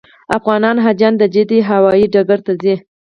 افغان حاجیان د جدې هوایي ډګر ته ځي.